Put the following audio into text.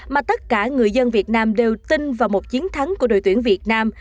mà tất cả người dân việt nam đều tin vào một chiến thắng của đội tuyển việt nam